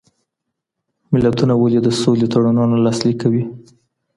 ملتونه ولي د سولي تړونونه لاسلیک کوي؟